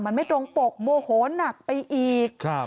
มันไม่ตรงปกโมโหนักไปอีก